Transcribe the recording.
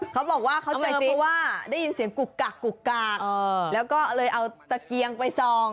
เขาบอกว่าเขาเจอเพราะว่าได้ยินเสียงกุกกักกุกกักแล้วก็เลยเอาตะเกียงไปส่อง